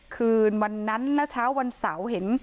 คืนวันนั้นนะเช้าวันเสาร์เห็น